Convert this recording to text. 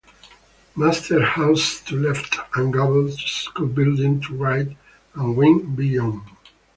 Master's house to left and gabled school building to right, and a wing beyond.